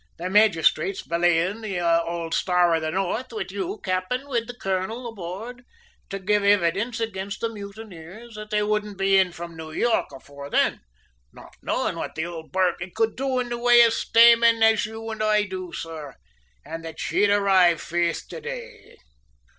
The magisthrates belayvin' the ould Star of the North wid you, cap'en, wid the colonel aboard, to give ividence ag'st the mutineers, that they wouldn't be in from New York afore then, not knowin' what the ould barquey could do in the way of stayming as you an' I do, sor, an' that she'd arrive, faith, to day!"